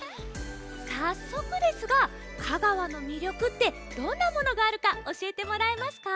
さっそくですが香川のみりょくってどんなものがあるかおしえてもらえますか？